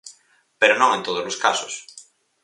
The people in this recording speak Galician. Pero non en todos os casos.